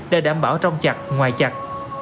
để đảm bảo trong trật ngoài trật